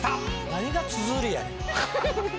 何がつづりやねん。